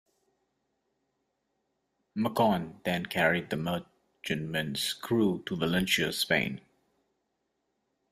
"Macon" then carried the merchantman's crew to Valencia, Spain.